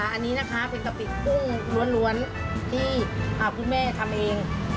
อันนี้นะคะเป็นกะปิกุ้งล้วนที่คุณแม่ทำเอง